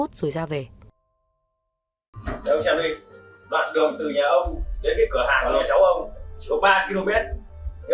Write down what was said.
đoạn đường từ nhà ông đến cái cửa hàng nhà cháu ông chỉ có ba km nếu ông đi bình thường bằng xe đám chỉ khoảng một mươi đến một mươi năm phút